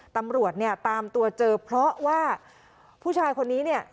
ตำรวจเนี่ยตามตัวเจอเพราะว่าผู้ชายคนนี้เนี่ย